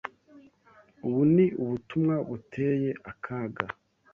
Ubu ni ubutumwa buteye akaga.